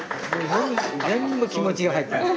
全部気持ちが入ってます。